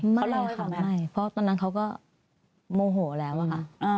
ไม่รอค่ะไม่เพราะตอนนั้นเขาก็โมโหแล้วอะค่ะ